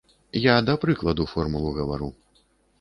Я да прыкладу формулу гавару.